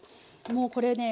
もうこれね